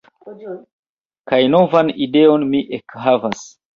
Kaj novan ideon mi ekhavas.